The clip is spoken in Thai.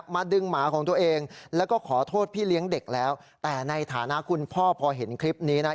ดึงหมาของตัวเองแล้วก็ขอโทษพี่เลี้ยงเด็กแล้วแต่ในฐานะคุณพ่อพอเห็นคลิปนี้นะ